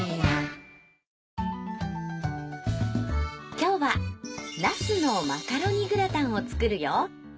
今日はなすのマカロニグラタンを作るよ。